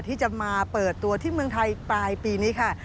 ที่จะมาเปิดตัวที่เมืองไทยปลายปีนี้ค่ะ